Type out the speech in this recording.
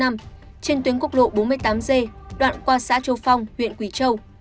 trên tuyến quốc lộ bốn mươi tám g đoạn qua xã châu phong huyện quỳ châu